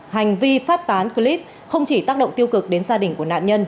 hành vi phát tán clip không chỉ tác động tiêu cực đến gia đình của nạn nhân